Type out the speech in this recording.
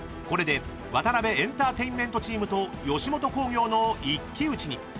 ［これでワタナベエンターテインメントチームと吉本興業の一騎打ちに］